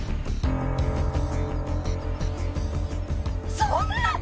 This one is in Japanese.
そんな！